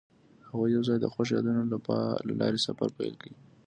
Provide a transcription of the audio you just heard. هغوی یوځای د خوښ یادونه له لارې سفر پیل کړ.